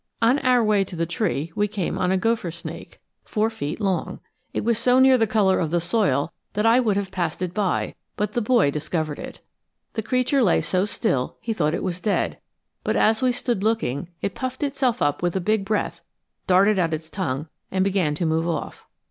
On our way to the tree we came on a gopher snake four feet long. It was so near the color of the soil that I would have passed it by, but the boy discovered it. The creature lay so still he thought it was dead; but as we stood looking, it puffed itself up with a big breath, darted out its tongue, and began to move off.